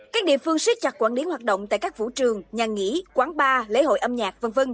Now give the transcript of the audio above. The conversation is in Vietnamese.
các địa phương siết chặt quản lý hoạt động tại các vũ trường nhà nghỉ quán bar lễ hội âm nhạc v v